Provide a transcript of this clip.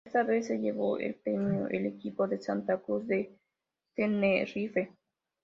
Esta vez se llevó el premio el equipo de Santa Cruz de Tenerife.